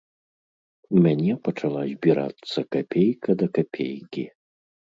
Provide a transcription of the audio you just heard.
У мяне пачала збірацца капейка да капейкі.